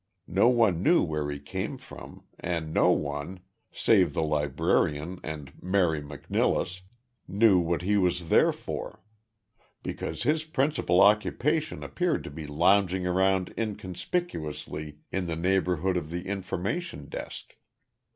No one knew where he came from and no one save the librarian and Mary McNilless knew what he was there for, because his principal occupation appeared to be lounging around inconspicuously in the neighborhood of the information desk.